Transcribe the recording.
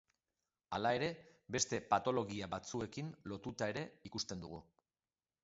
Hala ere, beste patologia batzuekin lotuta ere ikusten dugu.